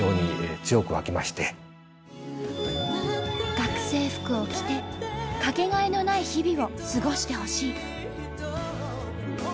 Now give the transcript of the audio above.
「学生服を着てかけがえのない日々を過ごしてほしい」。